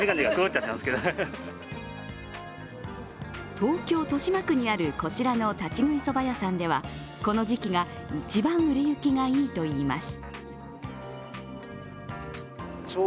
東京・豊島区にあるこちらの立ち食いそば屋さんでは、この時期が一番売れ行きがいいといいます。